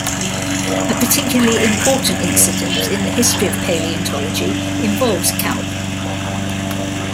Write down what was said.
A particularly important incident in the history of paleontology involves Kaup.